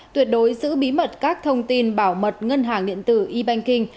tuyệt đối giữ bí mật các thông tin bảo mật ngân hàng điện tử e banking